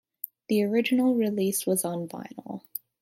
The original release was on vinyl.